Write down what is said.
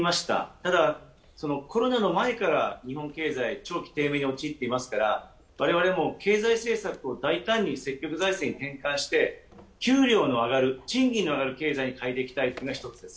ただ、コロナの前から日本経済、長期低迷に陥ってますからわれわれも経済政策を大胆に積極財政に転換して、給料の上がる、賃金の上がる経済に変えていきたいというのが一つです。